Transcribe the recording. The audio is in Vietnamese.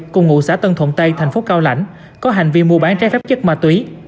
cùng ngụ xã tân thuận tây thành phố cao lãnh có hành vi mua bán trái phép chất ma túy